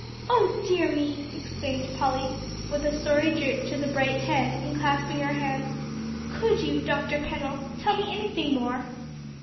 "Oh dear me!" exclaimed Polly with a sorry droop to the bright head, and clasping her hands, "could you, Dr. Pennell, tell me anything more?"